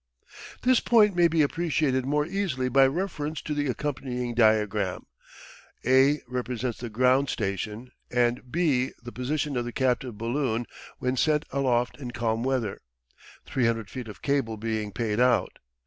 This point may be appreciated more easily by reference to the accompanying diagram. A represents the ground station and B the position of the captive balloon when sent aloft in calm weather, 300 feet of cable being paid out.